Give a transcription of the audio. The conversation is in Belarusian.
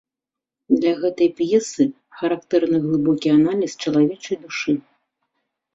Для гэтай п'есы характэрны глыбокі аналіз чалавечай душы.